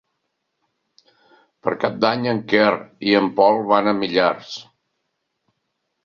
Per Cap d'Any en Quer i en Pol van a Millars.